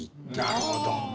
なるほど。